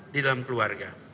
di dalam keluarga